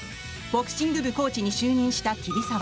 ボクシング部コーチに就任した桐沢。